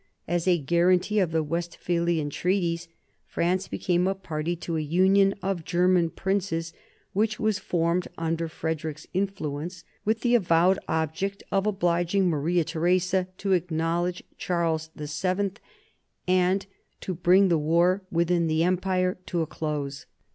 As a guarantee of the Westphalian treaties, France became a party to a union of German princes which was formed under Frederick's influence, with the avowed object of obliging Maria Theresa to acknowledge Charles VII. and to bring the war within the Empire to a close.